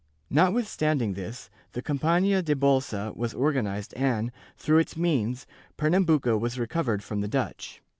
^ Notwithstanding this, the Companhia da Bolsa was organized and, through its means, Pernambuco was recovered from the Dutch.